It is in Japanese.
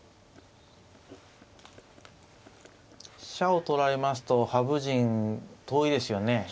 飛車を取られますと羽生陣遠いですよね。